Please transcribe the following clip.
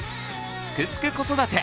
「すくすく子育て」